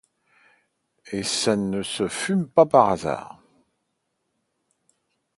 Et ça ne se fume pas, par hasard